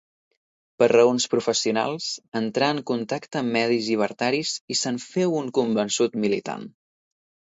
Per raons professionals entrà en contacte amb medis llibertaris i se'n féu un convençut militant.